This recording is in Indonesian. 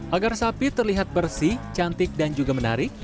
agar sapi terlihat bersih cantik dan juga menarik